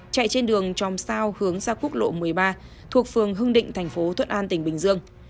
chạy trên đường tròm sao hướng ra quốc lộ một mươi ba thuộc phường hưng định thành phố thuận an tỉnh bình dương